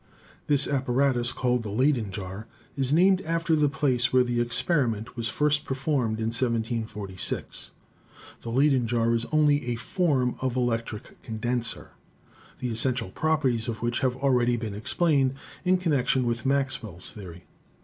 This apparatus, called the Leyden jar, is named after the place where the experiment was first performed in 1746. The Leyden jar is only a form of electric condenser, the essential properties of which have already been explained in connection with Maxwell's theory.